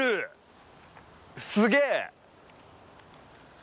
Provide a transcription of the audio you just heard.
すげえ！